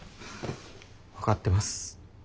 分かってます。